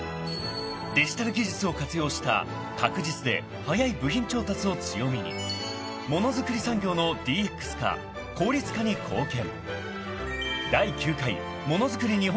［デジタル技術を活用した確実で早い部品調達を強みにものづくり産業のＤＸ化・効率化に貢献］